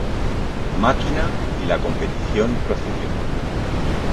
Máquina y la competición procedió.